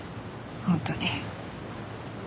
本当に。